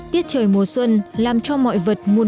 tiết trời mùa xuân làm cho mọi vật muôn